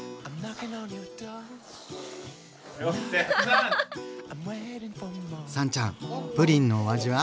あん！さんちゃんプリンのお味は？